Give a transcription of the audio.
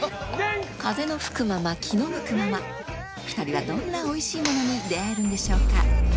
風の吹くまま気の向くまま２人はどんなおいしいものに出合えるんでしょうか？